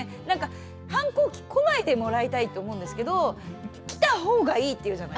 反抗期来ないでもらいたいって思うんですけど来たほうがいいっていうじゃないですか。